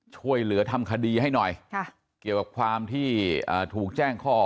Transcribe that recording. ช่วยเหลือทำคดีให้หน่อยเกี่ยวกับความที่ถูกแจ้งข้อ